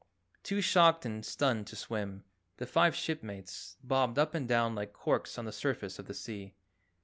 Too shocked and stunned to swim, the five shipmates bobbed up and down like corks on the surface of the sea.